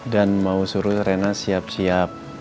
dan mau suruh reina siap siap